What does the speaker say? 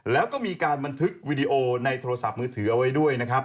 แล้วก็มีการบันทึกวิดีโอในโทรศัพท์มือถือเอาไว้ด้วยนะครับ